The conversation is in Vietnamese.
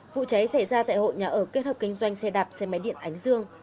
vụ cháy xảy ra tại hội nhà ở kết hợp kinh doanh xe đạp xe máy điện ánh dương